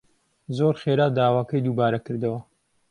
زۆر خێرا داواکەی دووبارە کردەوە